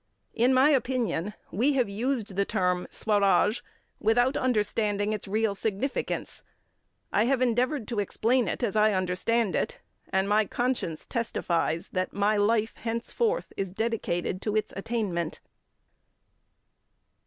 In my opinion, we have used the term "Swaraj" without understanding its real significance. I have endeavoured to explain it as I understand it, and my conscience testifies that my life henceforth is dedicated to its attainment.